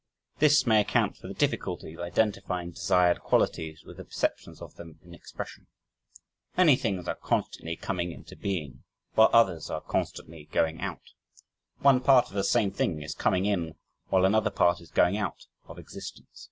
This may account for the difficulty of identifying desired qualities with the perceptions of them in expression. Many things are constantly coming into being, while others are constantly going out one part of the same thing is coming in while another part is going out of existence.